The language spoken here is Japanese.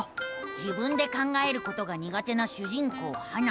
自分で考えることがにが手な主人公ハナ。